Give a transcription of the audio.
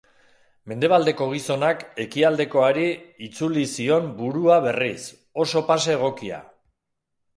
Mendebaldeko gizonak ekialdekoari itzuli zion burua berriz, oso pase egokia.